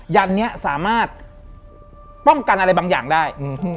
ยันนี้สามารถป้องกันอะไรบางอย่างได้